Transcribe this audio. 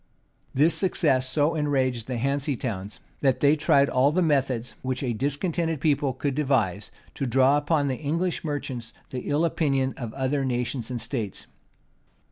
This success so enraged the Hanse Towns, that they tried all the methods which a discontented people could devise, to draw upon the English merchants the ill opinion of other nations and states.